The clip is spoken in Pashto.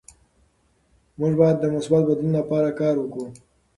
موږ باید د مثبت بدلون لپاره کار وکړو.